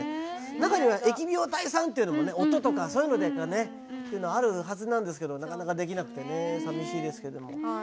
中には疫病退散っていうのもね音とかそういうのでねっていうのはあるはずなんですけどなかなかできなくてねさみしいですけど。